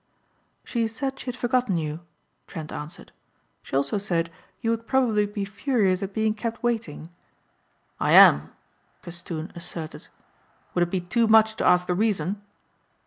"She said she had forgotten you," Trent answered, "she also said you would probably be furious at being kept waiting." "I am," Castoon asserted. "Would it be too much to ask the reason?"